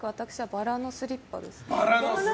バラのスリッパです